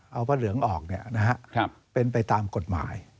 เอาผ้าเหลืองออกเป็นไปตามกฎหมาย